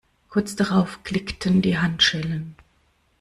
Kurz darauf klickten die Handschellen.